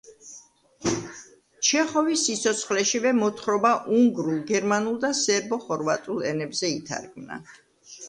ჩეხოვის სიცოცხლეშივე მოთხრობა უნგრულ, გერმანულ და სერბო-ხორვატულ ენებზე ითარგმნა.